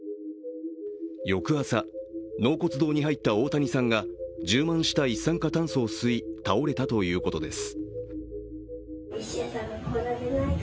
翌朝、納骨堂に入った大谷さんが充満した一酸化炭素を吸い、倒れたということです。